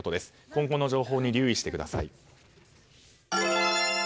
今後の情報に留意してください。